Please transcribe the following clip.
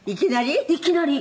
いきなり？